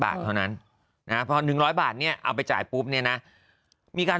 บาทเท่านั้นนะพอ๑๐๐บาทเนี่ยเอาไปจ่ายปุ๊บเนี่ยนะมีการ